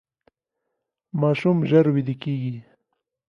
ماشوم ژر ویده کیږي.